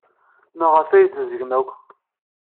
Maɣef ay tbezgemt akk?